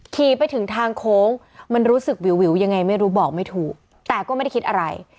ขี่ไปถึงทางโค้งมันรู้สึกวิวยังไงไม่รู้บอกไม่ถูกแต่ก็ไม่ได้คิดอะไร